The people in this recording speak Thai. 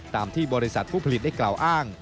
ตามที่บริษัทผู้ผลิตได้กล่าวอ้าง